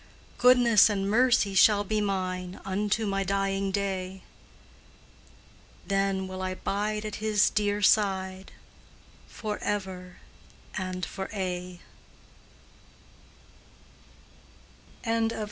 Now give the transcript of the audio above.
Goodness and mercy shall be mine Unto my dying day; Then will I bide at His dear side Forever and for aye!